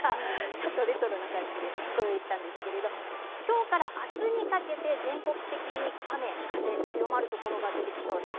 ちょっとレトロな感じでご用意したんですけれど今日から明日にかけて全国的に雨風強まるところが出てきそうです。